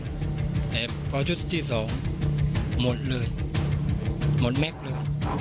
แต่พอชุดที่สองหมดเลยหมดแม็กซ์เลย